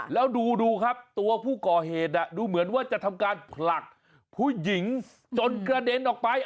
แล้วดูครับตัวผู้ก่อเหตุดูเหมือนว่าจะทำการผลักผู้หญิงจนกระเด็นออกไป